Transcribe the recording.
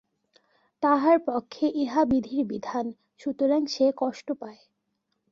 তাহার পক্ষে ইহা বিধির বিধান, সুতরাং সে কষ্ট পায়।